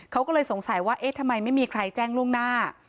เขาก็เลยสงสัยว่าเอ๊ะทำไมไม่มีใครแจ้งล่วงหน้า